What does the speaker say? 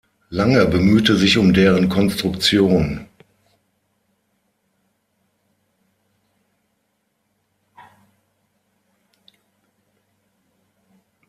Lange bemühte sich um deren Konstruktion.